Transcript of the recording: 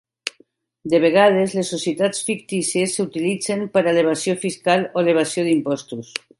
De vegades, les societats fictícies s'utilitzen per a l'evasió fiscal o l'evasió d'impostos.